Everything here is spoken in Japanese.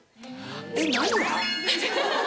えっ何が？